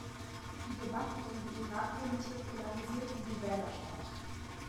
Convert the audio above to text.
Die Debatten um die Irak-Politik polarisierten die Wählerschaft.